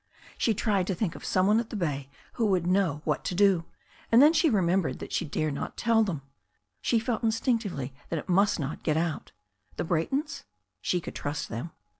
She tried to think of some one at the bay who would know what to do, and then she remembered that she dare not tell them. She felt in stinctively that it must not get out The Braytons? She could trust them.